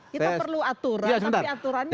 kita perlu aturan ya sebentar